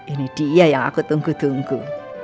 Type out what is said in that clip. ini dia yang aku tunggu tunggu